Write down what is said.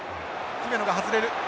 姫野が外れる。